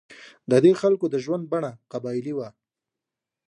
د دې خلکو د ژوند بڼه قبایلي وه.